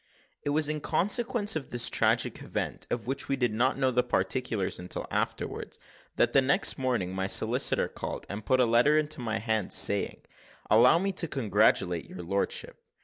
It was in consequence of this tragical event, of which we did not know the particulars until afterwards, that the next morning my solicitor called, and put a letter into my hand, saying, "Allow me to congratulate your lordship."